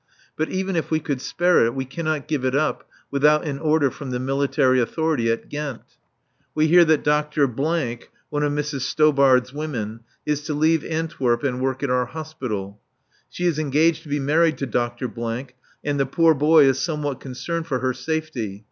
But even if we could spare it we cannot give it up without an order from the military authority at Ghent. We hear that Dr. , one of Mrs. Stobart's women, is to leave Antwerp and work at our hospital. She is engaged to be married to Dr. , and the poor boy is somewhat concerned for her safety.